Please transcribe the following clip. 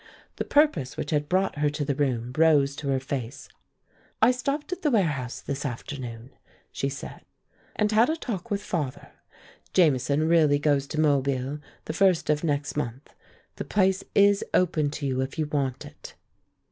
The purpose which had brought her to the room rose to her face. "I stopped at the warehouse this afternoon," she said, "and had a talk with father. Jamieson really goes to Mobile the first of next month. The place is open to you if you want it."